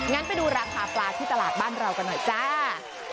งั้นไปดูราคาปลาที่ตลาดบ้านเรากันหน่อยจ้า